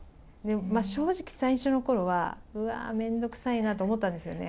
正直、最初のころは、うわー、めんどくさいなと思ったんですよね。